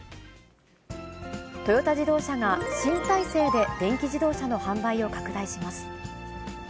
トヨタ自動車が新体制で電気自動車の販売を拡大します。